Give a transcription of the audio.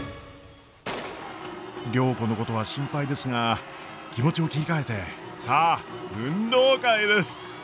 良子のことは心配ですが気持ちを切り替えてさあ運動会です！